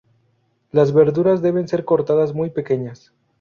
Las verduras deben ser cortadas muy pequeñas.